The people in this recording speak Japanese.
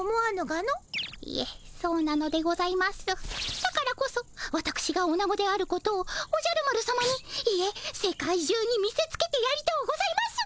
だからこそわたくしがオナゴであることをおじゃる丸さまにいえ世界中に見せつけてやりとうございます。